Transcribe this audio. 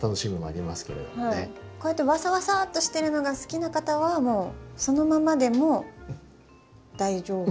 こうやってわさわさっとしてるのが好きな方はもうそのままでも大丈夫？